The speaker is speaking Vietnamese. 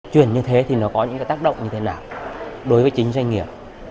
chuyển như thế thì nó có những tác động như thế nào đối với chính doanh nghiệp